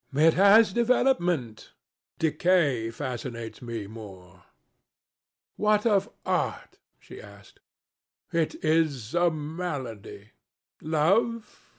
"It has development." "Decay fascinates me more." "What of art?" she asked. "It is a malady." "Love?"